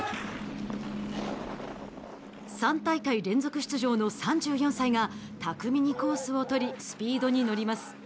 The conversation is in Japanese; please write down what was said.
３大会連続出場の３４歳が巧みにコースを取りスピードにのります。